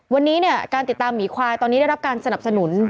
วันนี้เนี่ยการติดตามหมีควายตอนนี้ได้รับการสนับสนุน